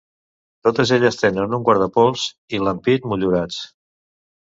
Totes elles tenen un guardapols i l'ampit motllurats.